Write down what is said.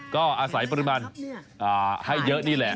ก็อาศัยปริมาณให้เยอะนี่แหละ